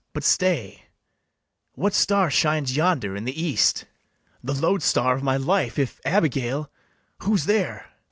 But stay: what star shines yonder in the east? The loadstar of my life, if Abigail. Who's there?